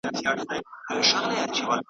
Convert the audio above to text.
چي هر څومره چیښي ویني لا یې تنده نه سړیږي .